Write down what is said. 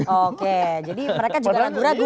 jadi mereka juga ragu ragu